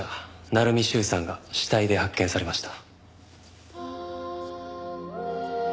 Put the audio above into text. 鳴海修さんが死体で発見されました。